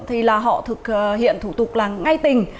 thì là họ thực hiện thủ tục là ngay tình